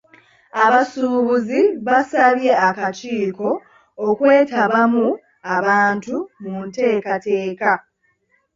Abasuubuzi baasabye akakiiko okwetabamu abantu mu nteekateeka.